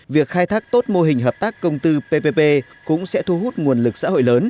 việc khai thác tốt mô hình hợp tác công tư ppp cũng sẽ thu hút nguồn lực xã hội lớn